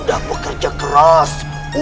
tidak perlu marah marah seperti itu